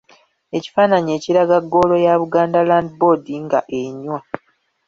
Ekifaananyi ekiraga ggoolo ya Buganda Land Board nga enywa.